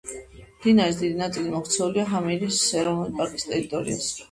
მდინარის დიდი ნაწილი მოქცეულია პამირის ეროვნული პარკის ტერიტორიაზე.